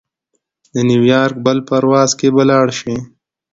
د نیویارک بل پرواز کې به لاړشې.